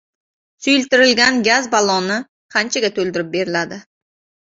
Suyultirilgan gaz balloni qanchaga to`ldirib beriladi?